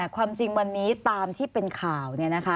ความจริงวันนี้ตามที่เป็นข่าว